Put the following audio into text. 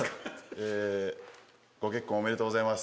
ええご結婚おめでとうございます。